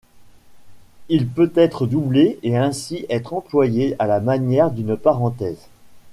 Il peut être doublé et ainsi être employé à la manière d'une parenthèse.